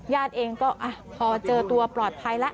ญาติเองก็พอเจอตัวปลอดภัยแล้ว